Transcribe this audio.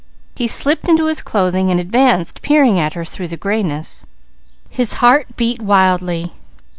He slipped into his clothing and advancing peered at her through the grayness. His heart beat wildly.